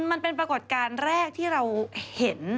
มันเป็นปรากฏการณ์แรกที่เราเห็น